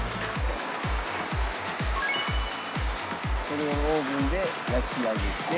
それをオーブンで焼き上げて。